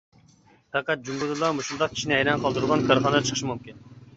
پەقەت جۇڭگودىلا مۇشۇنداق كىشىنى ھەيران قالدۇرىدىغان كارخانا چىقىشى مۇمكىن.